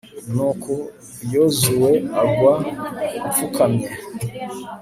nuko yozuwe agwa apfukamye